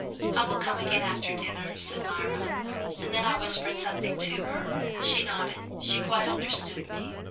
"I will come again after dinner," said Myra, and then I whispered something to her. She nodded; she quite understood me.